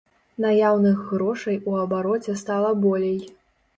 Наяўных грошай у абароце стала болей.